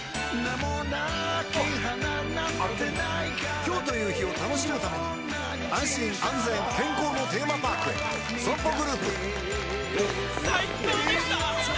今日という日を楽しむために安心安全健康のテーマパークへＳＯＭＰＯグループ